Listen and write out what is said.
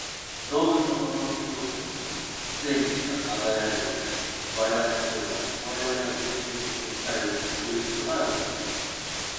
動物の本能的動作においても、既にしか考えられる如く、我々の行為は我々が自己矛盾的に世界を映すということから起こる。